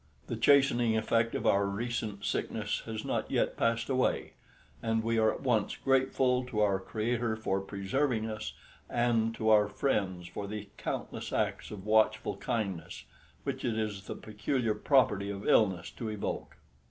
The chastening effect of our recent sickness has not yet passed away, and we are at once grateful to our Creator for preserving us, and to our friends for the countless acts of watchful kindness which it is the peculiar property of illness to evoke.